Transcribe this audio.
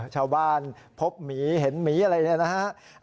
ชาวบ้านพบหมีเห็นหมีอะไรอย่างนี้นะ